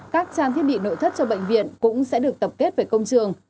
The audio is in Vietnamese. các trang thiết bị nội thất cho bệnh viện cũng sẽ được tập kết về công trường